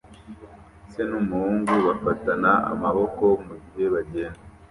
Se n'umuhungu bafatana amaboko mugihe bagenda